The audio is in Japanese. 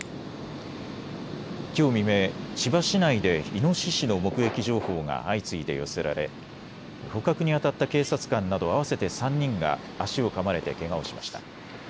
きょう未明、千葉市内でイノシシの目撃情報が相次いで寄せられ捕獲にあたった警察官など合わせて３人が足をかまれてけがをしました。